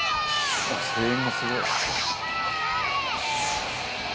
声援もすごい。